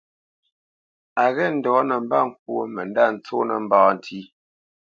A ghê ndɔ̌ nəmbat ŋkwó mə ndâ tsónə́ mbá ntí.